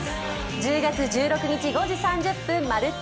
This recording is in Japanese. １０月１６日、５時３０分、「まるっと！